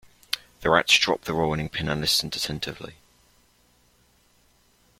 The rats dropped the rolling-pin, and listened attentively.